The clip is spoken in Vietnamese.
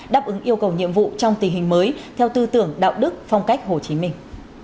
đáp ứng yêu cầu nhiệm vụ trong tình hình mới theo tư tưởng đạo đức phong cách hồ chí minh